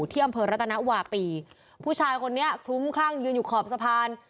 ที่อำเภอรัตนวาปีผู้ชายคนนี้คลุ้มคลั่งยืนอยู่ขอบสะพาน